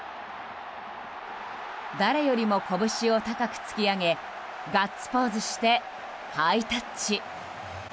誰よりも拳を高く突き上げガッツポーズしてハイタッチ。